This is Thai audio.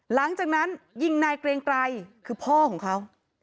หลังจากนั้นยิงนายเกรงไกรคือพ่อของเขา